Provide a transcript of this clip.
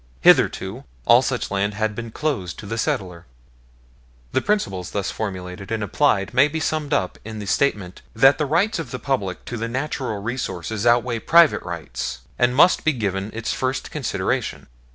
Hitherto all such land had been closed to the settler. The principles thus formulated and applied may be summed up in the statement that the rights of the public to the natural resources outweigh private rights, and must be given its first consideration.